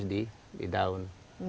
lebih bagus di daun